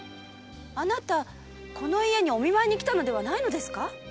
あなたこの家にお見舞いに来たのではないのですか？